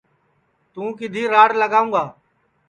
توں کِدھی راڑ لاواںٚؤ گا